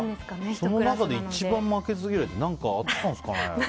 その中で一番負けず嫌いって何かあったんですかね？